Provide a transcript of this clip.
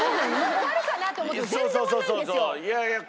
終わるかなと思っても全然終わらないんですよ。